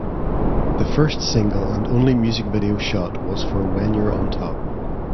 The first single and only music video shot was for When You're On Top.